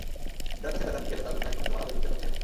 যার কাছে প্যাঁদানি খেলে তার জন্য এখনো তোমার আবেগ উথলে পড়ছে?